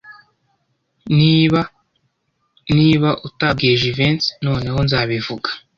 Niba utabwiye Jivency, noneho nzabivuga.